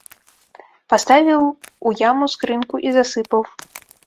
Паставіў у яму скрынку і засыпаў.